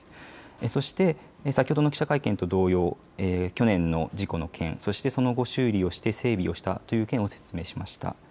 そして先ほどの記者会見と同様、去年の事故の件、そしてその後、修理をして整備をしたという件を説明しました。